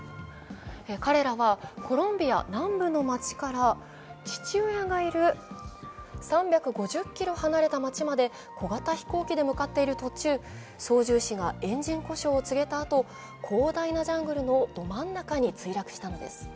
彼らはコロンビア南部の街から父親がいる３５０ｋｍ離れた町まで小型飛行機で向かっている途中、操縦士がエンジン故障を告げたあと広大なジャングルのど真ん中に墜落したのです。